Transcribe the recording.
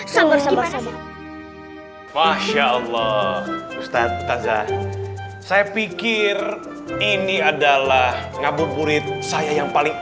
sabar sabar sabar masya allah ustadz taza saya pikir ini adalah ngabur murid saya yang paling